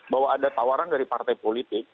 bahwa ada tawaran dari partai politik